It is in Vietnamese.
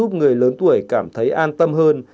giúp người lớn tuổi cảm thấy an tâm hơn